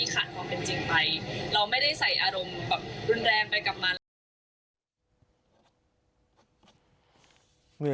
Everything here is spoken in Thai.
ของดัชาธิปตัยนะคะหนูไม่ได้พูดในสิ่งที่ผ่านความเป็นจริงไป